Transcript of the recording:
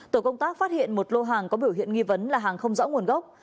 tổ công tác phát hiện một lô hàng có biểu hiện nghi vấn là hàng không rõ nguồn gốc